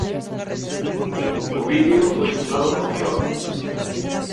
O vídeo foi estudado por biólogos.